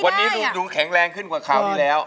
วันนี้ดูแข็งแรงขึ้นกว่าข่าวที่แล้ว